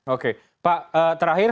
oke pak terakhir